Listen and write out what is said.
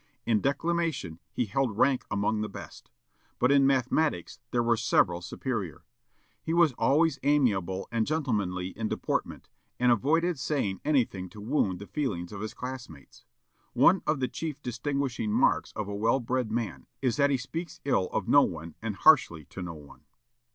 In declamation he held rank among the best; but in mathematics there were several superior. He was always amiable and gentlemanly in deportment, and avoided saying anything to wound the feelings of his class mates." One of the chief distinguishing marks of a well bred man is that he speaks ill of no one and harshly to no one.